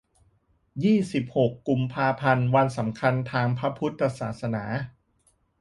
ยี่สิบหก กุมภาพันธ์ วันสำคัญทางพระพุทธศาสนา